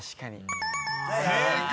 ［正解。